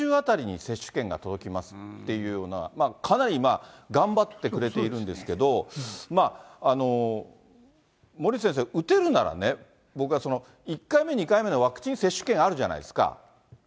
僕ら世代は来週ぐらいに接種券が届きますっていうような、かなり頑張ってくれているんですけど、森内先生、打てるならね、僕は、１回目、２回目のワクチン接種券あるじゃないですか。